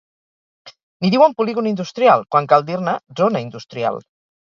N'hi diuen Polígon Industrial, quan cal dir-ne Zona Industrial